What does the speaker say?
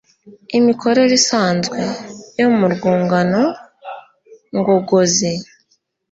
Imikorere isanzwe [yo mu rwungano ngogozi]